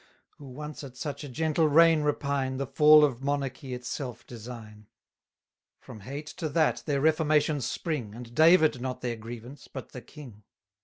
Who once at such a gentle reign repine, The fall of monarchy itself design: From hate to that their reformations spring, And David not their grievance, but the king.